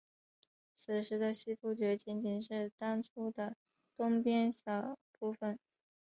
此时的西突厥仅仅是当初的东边一小部分。